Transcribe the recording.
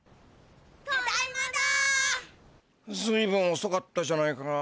ずいぶんおそかったじゃないか。